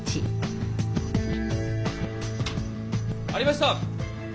・ありました！